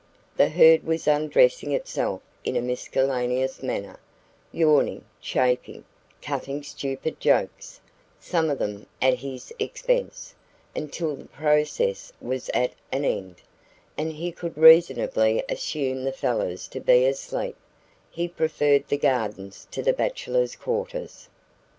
The herd was undressing itself in a miscellaneous manner yawning, chaffing, cutting stupid jokes, some of them at his expense; until the process was at an end, and he could reasonably assume the fellows to be asleep, he preferred the gardens to the bachelors' quarters.